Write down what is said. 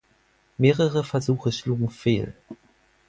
Mehrere Versuche schlugen fehl.